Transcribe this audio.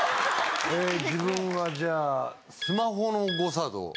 え自分はじゃあスマホの誤作動。